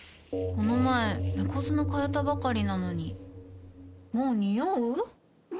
この前猫砂替えたばかりなのにもうニオう？